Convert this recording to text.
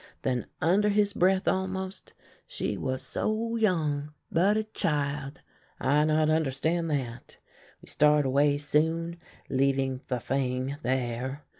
— then under his breath almost :' She was so young — but a child.' I not understand that. We start away soon, leaving the thing there.